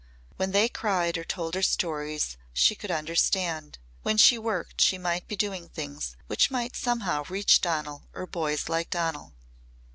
When they cried or told her stories, she could understand. When she worked she might be doing things which might somehow reach Donal or boys like Donal.